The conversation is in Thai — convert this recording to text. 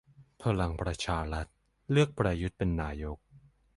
พลังประชารัฐเลือกประยุทธเป็นนายก